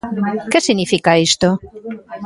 ¿Que significa isto?